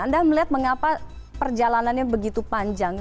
anda melihat mengapa perjalanannya begitu panjang